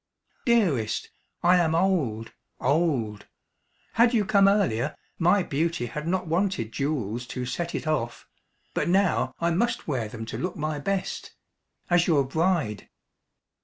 "Dearest, I am old, old. Had you come earlier, my beauty had not wanted jewels to set it off. But now I must wear them to look my best as your bride."